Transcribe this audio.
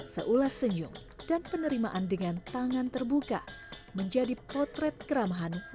seolah senyum dan penerimaan dengan tangan terbuka menjadi potret keramahan warga masyarakat